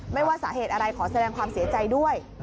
ว่าสาเหตุอะไรขอแสดงความเสียใจด้วย